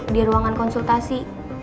di ruangan konsultasi